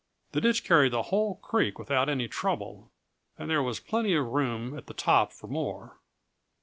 The ditch carried the whole creek without any trouble, and there was plenty of room at the top for more!"